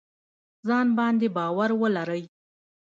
ځان باندې باور ولرئ